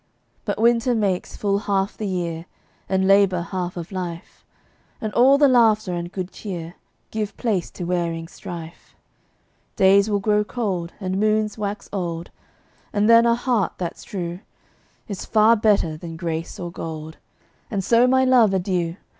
But winter makes full half the year, And labor half of life, And all the laughter and good cheer Give place to wearing strife. Days will grow cold, and moons wax old. And then a heart that's true Is better far than grace or gold And so, my love, adieu!